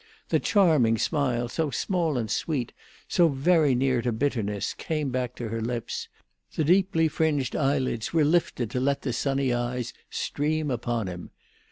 The charming smile, so small and sweet, so very near to bitterness, came back to her lips, the deeply fringed eyelids were lifted to let the sunny eyes stream upon him.